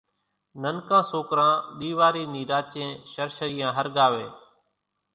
ننڪان سوڪران ۮيوارِي نِي راچين شرشريان ۿرڳاوي